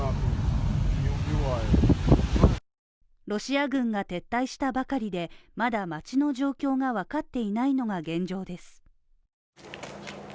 ロシア軍が撤退したばかりでまだ街の状況が分かっていないのが現状です。